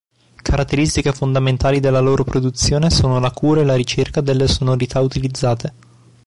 Caratteristiche fondamentali della loro produzione sono la cura e la ricerca delle sonorità utilizzate.